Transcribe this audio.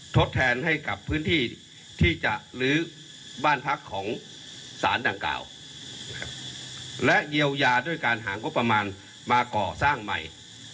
ทดแทนให้กับพื้นที่ที่จะลื้อบ้านพักของสารดังกล่าวและเยียวยาด้วยการหางบประมาณมาก่อสร้างใหม่